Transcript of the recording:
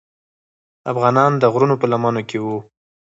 افغانان د غرونو په لمنو کې وو.